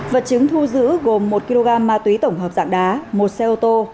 vật chứng thu giữ gồm một kg ma túy tổng hợp dạng đá một xe ô tô